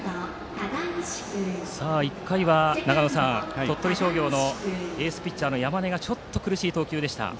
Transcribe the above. １回は、長野さん鳥取商業のエースピッチャー山根がちょっと苦しい投球でした。